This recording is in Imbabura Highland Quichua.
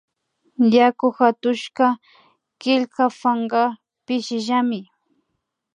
Yaku hatushka killka pankaka pishillamari